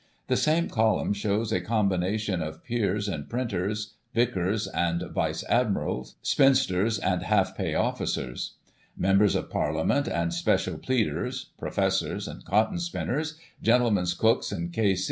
The same column shows a combina tion of peers and printers, vicars and vice admirals, spinsters and half pay officers, Members of Parliament and special pleaders, professors and cotton spinners, gentlemen's cooks and K.C.